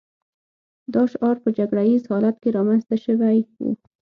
دا شعار په جګړه ییز حالت کې رامنځته شوی و